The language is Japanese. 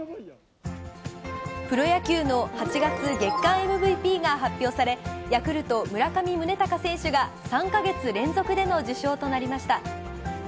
プロ野球の８月月間ＭＶＰが発表され、ヤクルト、村上宗隆選手が３か月連続での受賞となりました。